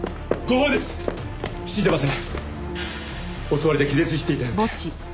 襲われて気絶していたようで。